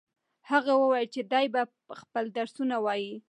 هغه وویل چې دی به خپل درسونه وايي.